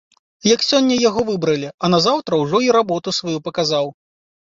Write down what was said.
Як сёння яго выбралі, а назаўтра ўжо й работу сваю паказаў.